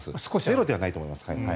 ゼロではないと思います。